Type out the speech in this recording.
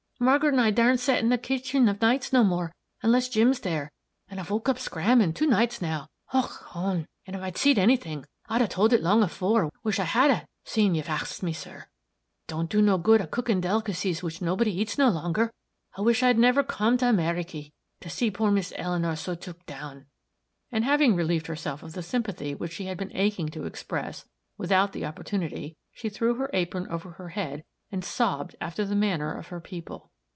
Margaret and I daren't set in the kitching of nights no more, unless Jim's there, an' I've woke up scr'aming two nights now och hone! and if I'd seed any thing, I'd a told it long afore, which I wish I had, seein' you've axed me, sir. It don't do no good a cooking delicacies which nobody eats no longer I wish I had never come to Amyriky, to see poor Miss Eleanor so tuk down!" and having relieved herself of the sympathy which she had been aching to express, without the opportunity, she threw her apron over her head, and sobbed after the manner of her people.